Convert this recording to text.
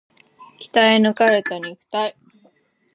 鍛え抜かれた肉体